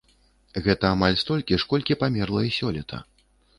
Гэта амаль столькі ж, колькі памерла і сёлета.